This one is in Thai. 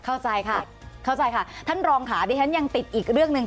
เข้าใจค่ะเข้าใจค่ะท่านรองค่ะดิฉันยังติดอีกเรื่องหนึ่ง